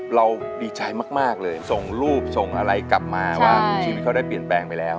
เราดีใจมากเลยส่งรูปส่งอะไรกลับมาว่าชีวิตเขาได้เปลี่ยนแปลงไปแล้ว